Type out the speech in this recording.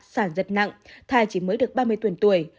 sản giật nặng thai chỉ mới được ba mươi tuần tuổi